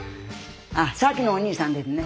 あっさっきのお兄さんですね。